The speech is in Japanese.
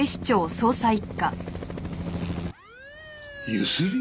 ゆすり？